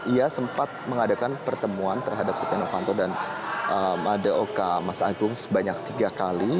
ia sempat mengadakan pertemuan terhadap setia novanto dan madaoka mas agung sebanyak tiga kali